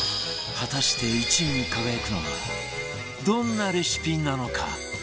果たして１位に輝くのはどんなレシピなのか？